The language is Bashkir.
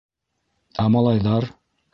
Ә малайҙар?!